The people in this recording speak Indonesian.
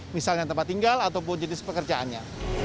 misalnya tempat tinggal ataupun jenis pekerjaannya